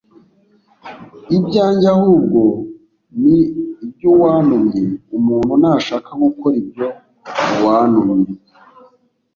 ibyanjye ahubwo ni iby uwantumye Umuntu nashaka gukora ibyo uwantumye